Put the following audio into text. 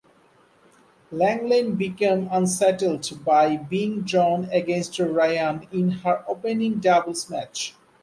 Lenglen became unsettled by being drawn against Ryan in her opening doubles match.